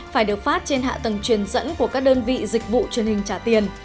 phải được phát trên hạ tầng truyền dẫn của các đơn vị dịch vụ truyền hình trả tiền